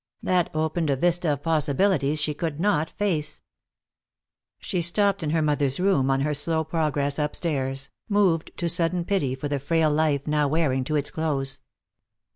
That opened a vista of possibilities she would not face. She stopped in her mother's room on her slow progress upstairs, moved to sudden pity for the frail life now wearing to its close.